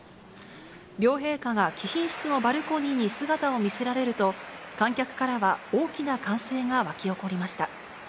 両陛下が貴賓室のバルコニーに姿を見せられると、観客からは大きな歓声が沸き起こりました。